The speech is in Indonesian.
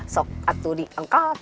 sok atu diangkat